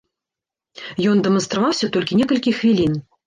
Ён дэманстраваўся толькі некалькі хвілін.